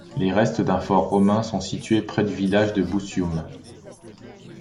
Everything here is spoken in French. Les restes d'un fort romain sont situés près du village de Bucium.